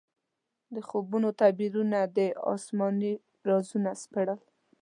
د خوبونو تعبیرونه دې اسماني رازونه سپړل.